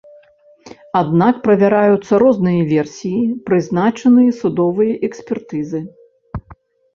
Аднак правяраюцца розныя версіі, прызначаныя судовыя экспертызы.